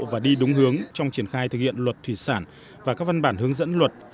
và đi đúng hướng trong triển khai thực hiện luật thủy sản và các văn bản hướng dẫn luật